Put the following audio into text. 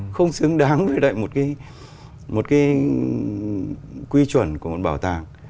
không xứng đáng với một cái quy chuẩn của một bảo tàng